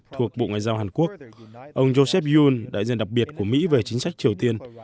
thuộc bộ ngoại giao hàn quốc ông josep yun đại diện đặc biệt của mỹ về chính sách triều tiên